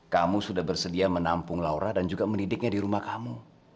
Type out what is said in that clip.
kamu sudah bersedia menampung laura dan juga mendidiknya di rumah kamu